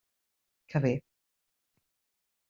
Que bé!